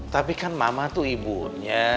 tapi kan mama tuh ibunya